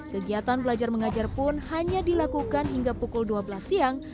kegiatan belajar mengajar pun hanya dilakukan hingga pukul dua belas siang